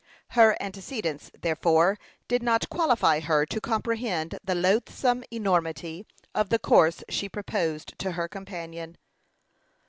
Her antecedents, therefore, did not qualify her to comprehend the loathsome enormity of the course she proposed to her companion.